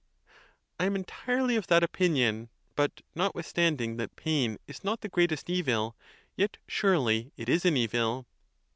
A. I am entirely of that opinion; but, notwithstanding that pain is not the greatest evil, yet surely it is an evil.